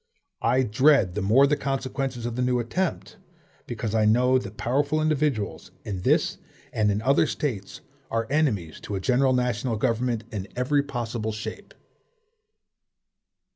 I dread the more the consequences of new attempts, because I know that POWERFUL INDIVIDUALS, in this and in other States, are enemies to a general national government in every possible shape.